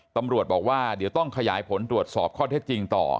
ตำรวจบอกว่าเดี๋ยวต้องขยายผลตรวจสอบข้อเท็จจริงต่อ